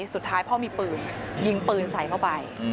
สุดท้ายพ่อมีปืนยิงปืนใส่เข้าไป